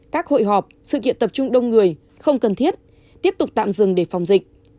các hội họp sự kiện tập trung đông người không cần thiết tiếp tục tạm dừng để phòng dịch